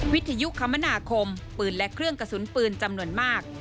วิทยุคมนาคมปืนและเครื่องกระสุนปืนจำนวนมาก